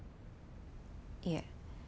いえ